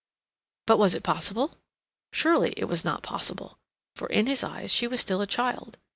But was it possible? Surely it was not possible. For in his eyes she was still a child.